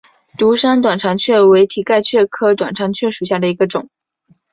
独山短肠蕨为蹄盖蕨科短肠蕨属下的一个种。